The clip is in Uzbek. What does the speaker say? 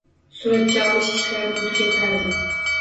Suratga olish ishlarini tugatardim.